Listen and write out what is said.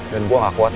dan gue gak kuat